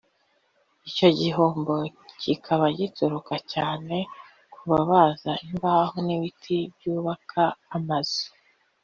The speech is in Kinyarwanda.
icyo gihombo kikaba gituruka cyane ku babaza imbaho n’ibiti byubaka amazu